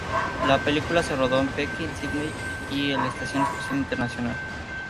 La película se rodó en Pekín, Sídney y el Estación Espacial Internacional.